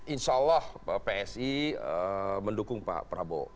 insya allah psi mendukung pak prabowo